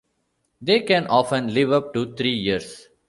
They can often live up to three years.